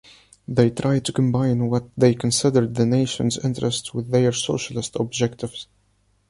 They tried to combine what they considered the nation’s interests with their socialist objectives.